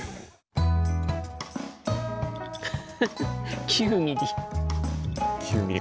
フフフッ９ｍｍ。